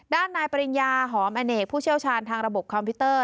ด้านนายปริญญาหอมอเนกผู้เชี่ยวชาญทางระบบคอมพิวเตอร์